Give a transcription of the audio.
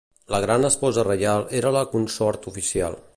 La Gran Esposa Reial era la consort oficial.